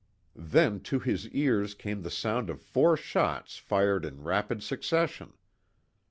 Then to his ears came the sound of four shots fired in rapid succession.